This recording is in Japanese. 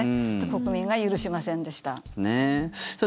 国民が許しませんでした。